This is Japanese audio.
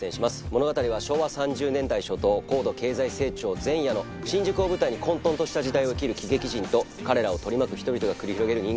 物語は昭和３０年代初頭高度経済成長前夜の新宿を舞台に混沌とした時代を生きる喜劇人と彼らを取り巻く人々が繰り広げる人間ドラマです。